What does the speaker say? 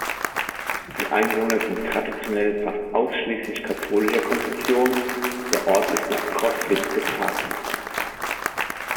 Die Einwohner sind traditionell fast ausschließlich katholischer Konfession; der Ort ist nach Crostwitz gepfarrt.